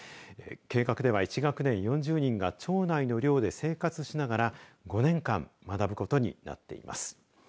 計画では１学年４０人が町内の寮で生活しながら５年間学ぶことになっています。